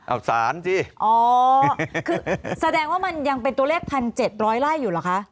อับสารสิอ๋อคือแสดงว่ามันยังเป็นตัวเลขพันเจ็ดร้อยไร่อยู่หรอคะ